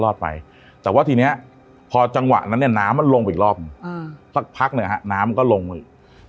ไปแต่ว่าทีเนี้ยพอจังหวะนั้นเนี่ยน้ำมันลงไปอีกรอบหนึ่งสักพักหนึ่งฮะน้ำก็ลงมาอีก